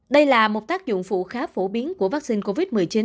đây là một tác dụng phụ khá phổ biến của vaccine covid một mươi chín